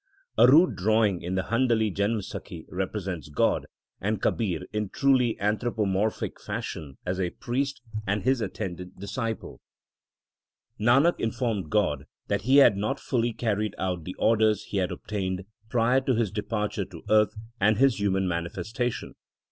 A rude drawing in the Handali Janamsakhi represents God and Kabir in truly anthropomorphic fashion as a priest and his attendant disciple. SIKH. I f Ixxxii THE SIKH RELIGION Nanak informed God that he had not fully carried out the orders he had obtained prior to his departure to earth and his human manifestation.